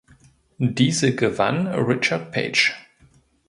Diese gewann Richard Page.